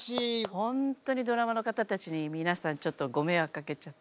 ほんとにドラマの方たちに皆さんちょっとご迷惑かけちゃって。